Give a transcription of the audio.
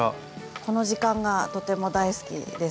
この時間がとても大好きです。